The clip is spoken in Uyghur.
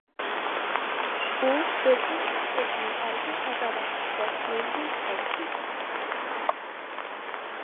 ئۇ بىردىنلا ئۆزىنى ئەركىن-ئازادە، قۇشتەك يەڭگىل سەزدى.